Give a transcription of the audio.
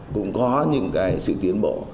cũng có những cái sự tiến bộ